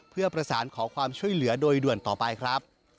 เพื่อประสานขอความช่วยเหลือโดยด่วนต่อไปครับ